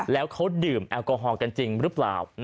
แล้วเขาดื่มแอลกอฮอลกันจริงหรือเปล่า